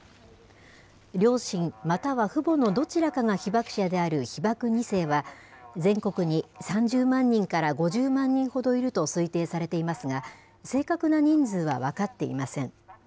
両親、または父母のどちらかが被爆者である被爆２世は、全国に３０万人から５０万人ほどいると推定されていますが、正確な人数は分かっていません。